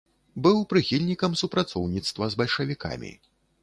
Быў прыхільнікам супрацоўніцтва з бальшавікамі.